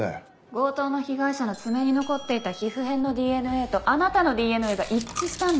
強盗の被害者の爪に残っていた皮膚片のＤＮＡとあなたのＤＮＡが一致したんです。